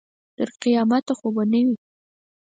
تر قیامته خو به نه وي.